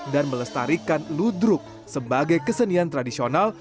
dan melestarikan ludruk sebagai kesenian tradisional